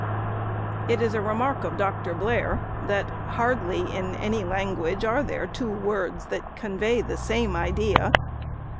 It is a remark of Dr. Blair, that " hardly in any lan guage are there two words that convey the same idea."